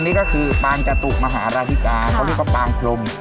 นี่ก็คือปางกระตุกมหาราธิกาเขาเรียกว่าปางพรม